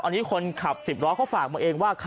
อันนี้คนขับ๑๐ล้อเขาฝากมาเองว่า